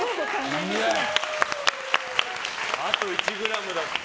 あと１ｇだった。